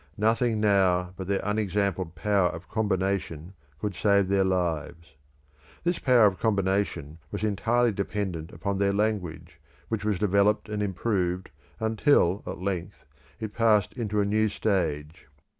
Nothing now but their unexampled power of combination could save their lives. This power of combination was entirely dependent upon their language, which was developed and improved until at length it passed into a new stage.